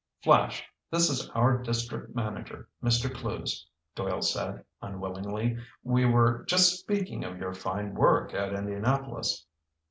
"Flash, this is our district manager, Mr. Clewes," Doyle said unwillingly. "We were just speaking of your fine work at Indianapolis."